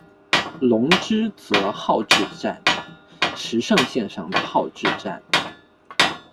泷之泽号志站石胜线上的号志站。